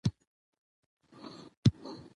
مېلې د نوښت، هنر او ابتکار یوه ننداره ده.